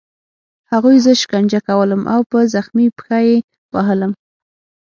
هغوی زه شکنجه کولم او په زخمي پښه یې وهلم